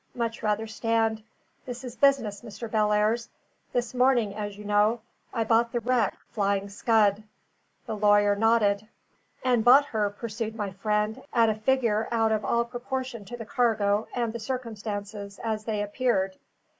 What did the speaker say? Much rather stand. This is business, Mr. Bellairs. This morning, as you know, I bought the wreck, Flying Scud." The lawyer nodded. "And bought her," pursued my friend, "at a figure out of all proportion to the cargo and the circumstances, as they appeared?"